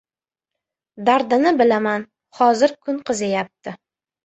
— Dardini bilaman. Hozir kun qiziyapti.